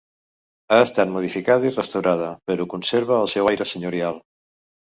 Ha estat modificada i restaurada, però conserva el seu aire senyorial.